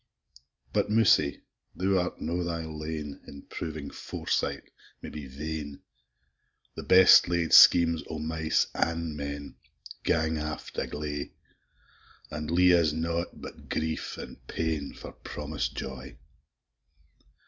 But, Mousie, thou art no thy lane, In proving foresight may be vain: The best laid schemes o' mice an' men, Gang aft a gley, An' lea'e us nought but grief and pain, For promis'd joy.